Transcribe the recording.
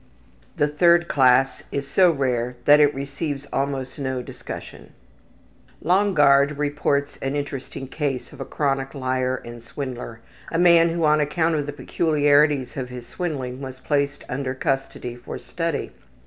The third class is so rare that it receives almost no discussion. Longard reports an interesting case of a chronic liar and swindler, a man who on account of the peculiarities of his swindling was placed under custody for study.